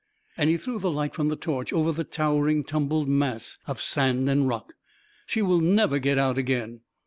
And he threw the light from the torch over the towering, tumbled mass of sand and rock. " She will never get out again